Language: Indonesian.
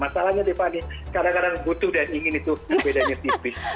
masalahnya tiffany kadang kadang butuh dan ingin itu bedanya tipis